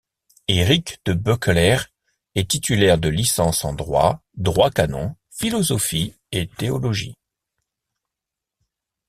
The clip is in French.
Éric de Beukelaer est titulaire de licences en droit, droit canon, philosophie et théologie.